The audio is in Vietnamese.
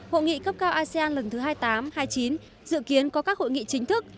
hội nghị cấp cao asean lần thứ hai mươi tám hai mươi chín dự kiến có các hội nghị chính thức